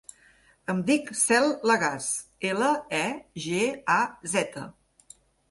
Em dic Cel Legaz: ela, e, ge, a, zeta.